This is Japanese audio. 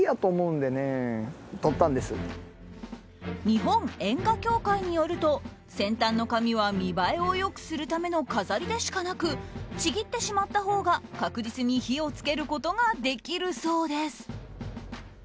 日本煙火協会によると先端の紙は見栄えを良くするための飾りでしかなくちぎってしまったほうが、確実に火を付けることができるそうです。